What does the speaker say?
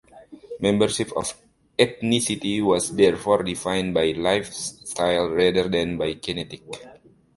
Membership of the ethnicity was therefore defined by lifestyle rather than by genetics.